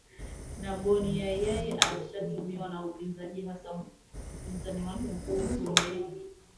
na boni yai yai anashutumiwa na upinzani hasa mpinzani wake mkuu humbeji